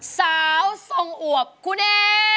สาวทรงอวบคุณเอ